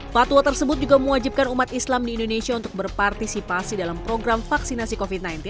fatwa tersebut juga mewajibkan umat islam di indonesia untuk berpartisipasi dalam program vaksinasi covid sembilan belas